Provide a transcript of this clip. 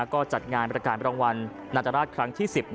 ก็จัดงานประกาศรางวัลนาตราชครั้งที่๑๐